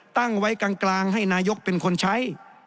ตั้งไว้กลางให้นายกเป็นคนใช้